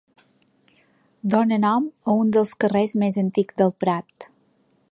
Dóna nom a un dels carrers més antics del Prat.